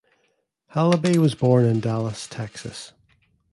Halaby was born in Dallas, Texas.